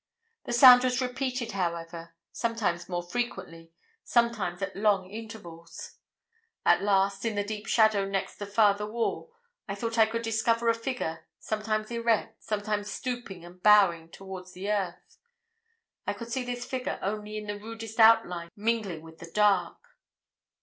The sound was repeated, however sometimes more frequently, sometimes at long intervals. At last, in the deep shadow next the farther wall, I thought I could discover a figure, sometimes erect, sometimes stooping and bowing toward the earth. I could see this figure only in the rudest outline mingling with the dark.